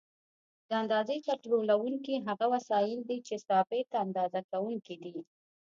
د اندازې کنټرولوونکي هغه وسایل دي چې ثابت اندازه کوونکي دي.